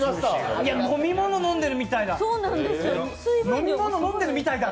飲み物飲んでるみたいだ。